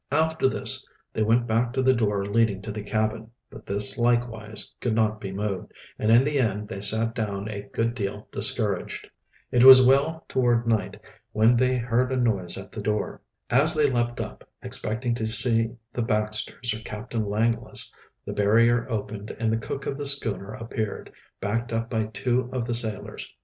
After this they went back to the door leading to the cabin. But this likewise could not be moved, and in the end they sat down a good deal discouraged. It was well toward night when they heard a noise at the door. As they leaped up, expecting to see the Baxters or Captain Langless, the barrier opened and the cook of the schooner appeared, backed up by two of the sailors.